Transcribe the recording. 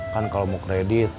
kan kalau mau kredit